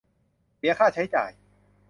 เสียค่าใช้จ่าย